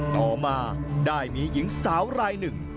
ต่อมาได้มีหญิงสาวรายหนึ่ง